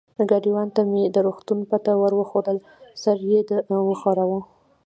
ګاډیوان ته مې د روغتون پته ور وښوول، سر یې و ښوراوه.